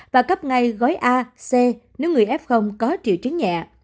và cấp ngay gói a c nếu người f có triệu chứng nhẹ